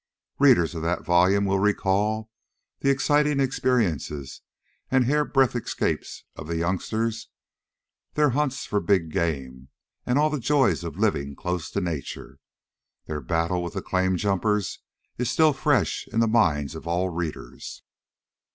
Readers of that volume well recall the exciting experiences and hair breadth escapes of the youngsters, their hunts for big game and all the joys of living close to Nature. Their battle with the claim jumpers is still fresh in the minds of all readers.